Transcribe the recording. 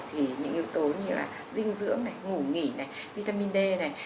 thì những yếu tố như là dinh dưỡng này ngủ nghỉ này vitamin d này